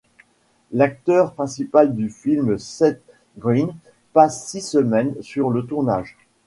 L'acteur principal du film, Seth Green, passe six semaines sur le tournage.